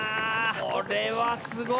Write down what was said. これはすごい。